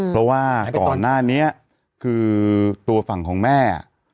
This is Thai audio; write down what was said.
เพราะว่าก่อนหน้านี้คือตัวฝั่งของแม่